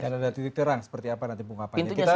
dan ada titik terang seperti apa nanti